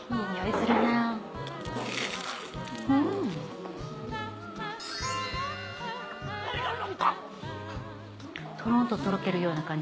これは何かとろんととろけるような感じ。